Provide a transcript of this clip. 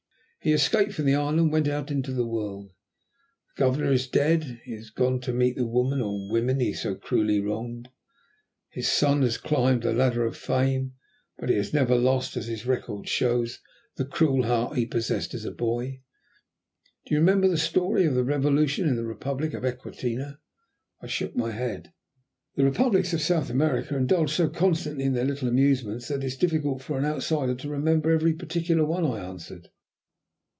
"He escaped from the island, and went out into the world. The Governor is dead; he has gone to meet the woman, or women, he has so cruelly wronged. His son has climbed the ladder of Fame, but he has never lost, as his record shows, the cruel heart he possessed as a boy. Do you remember the story of the Revolution in the Republic of Equinata?" I shook my head. "The Republics of South America indulge so constantly in their little amusements that it is difficult for an outsider to remember every particular one," I answered.